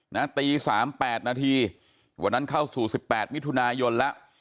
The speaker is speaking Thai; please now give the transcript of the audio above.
ตีสามแปดนาทีวันนั้นเข้าสู่สิบแปดมิถุนายนแล้ว